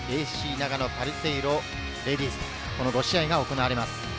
長野パルセイロ・レディースの５試合が行われます。